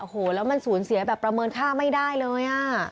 โอ้โหแล้วมันสูญเสียแบบประเมินค่าไม่ได้เลย